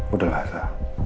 udah lah elsa